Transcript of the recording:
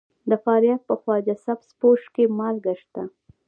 د فاریاب په خواجه سبز پوش کې مالګه شته.